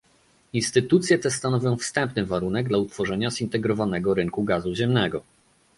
Instytucje te stanowią wstępny warunek dla utworzenia zintegrowanego rynku gazu ziemnego